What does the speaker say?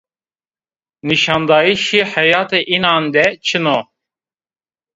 Nîşandayîşê heyatê înan de çin o